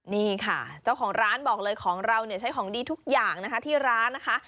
นี่ค่ะเจ้าของร้านบอกเลยของเราเนี่ยใช้ของดีทุกอย่างนะคะที่ร้านนะคะ